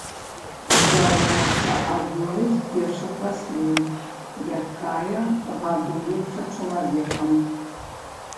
З'яўляецца адной з першых раслін, якая гадуюцца чалавекам.